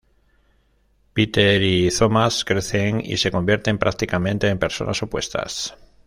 Peter y Thomas crecen y se convierten prácticamente en personas opuestas.